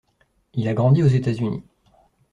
Il a grandi aux États-Unis.